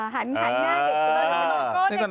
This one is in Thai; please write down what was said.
หันหน้าเด็กสมบูรณ์